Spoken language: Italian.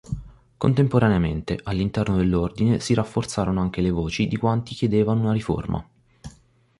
Contemporaneamente, all'interno dell'ordine si rafforzarono anche le voci di quanti chiedevano una riforma.